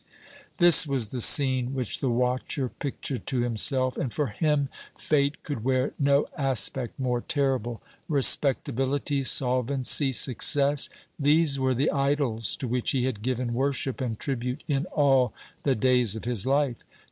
This was the scene which the watcher pictured to himself; and for him Fate could wear no aspect more terrible. Respectability, solvency, success these were the idols to which he had given worship and tribute in all the days of his life.